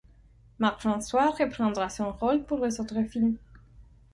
Marc François reprendra son rôle pour les autres films.